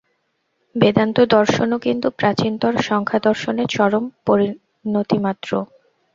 বেদান্তদর্শনও কিন্তু প্রাচীনতর সাংখ্যদর্শনের চরম পরিণতিমাত্র।